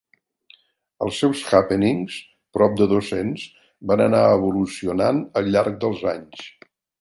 Els seus happenings, prop de dos-cents, van anar evolucionant al llarg dels anys.